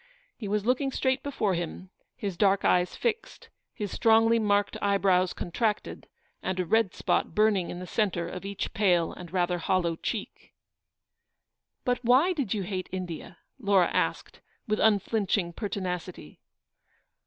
He was looking straight before him, his dark eyes fixed, his strongly marked eyebrows con tracted, and a red spot burning in the centre of each pale and rather hollow cheek. "But why did you hate India?'' Laura asked, with unflinching pertinacity.